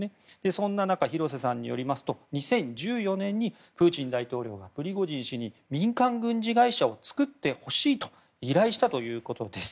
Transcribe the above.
そんな中、廣瀬さんによりますと２０１４年にプーチン大統領がプリゴジン氏に民間軍事会社を作ってほしいと依頼したということです。